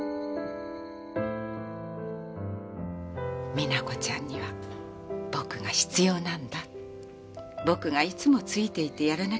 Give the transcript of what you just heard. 「実那子ちゃんには僕が必要なんだ」「いつもついていてやらなきゃいけないんだ」